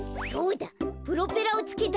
プロペラをつけたらどう？